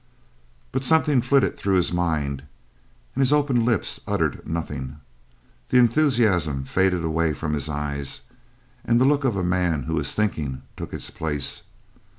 But a something flitted through his mind, and his opened lips uttered nothing. The enthusiasm faded away from his eyes, and the look of a man who is thinking took its place.